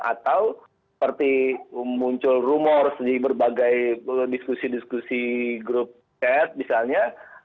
atau seperti muncul rumor di berbagai diskusi diskusi grup chat misalnya